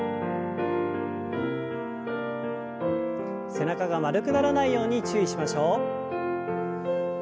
背中が丸くならないように注意しましょう。